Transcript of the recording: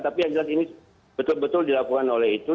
tapi yang jelas ini betul betul dilakukan oleh itu